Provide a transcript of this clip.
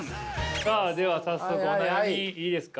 さあ、では早速お悩みいいですか？